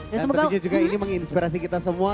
dan tentunya juga ini menginspirasi kita semua